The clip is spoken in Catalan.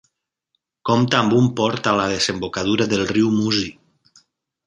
Compta amb un port a la desembocadura del riu Musi.